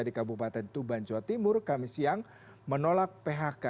di kabupaten tuban jawa timur kami siang menolak phk